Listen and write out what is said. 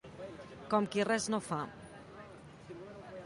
Com qui res no fa.